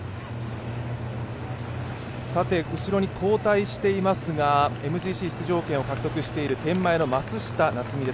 後ろに交代していますがＭＧＣ出場権を獲得している天満屋の松下菜摘です。